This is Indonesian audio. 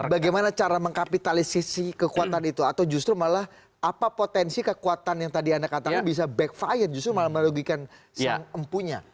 bagaimana cara mengkapitalisasi kekuatan itu atau justru malah apa potensi kekuatan yang tadi anda katakan bisa backfire justru malah merugikan sang empunya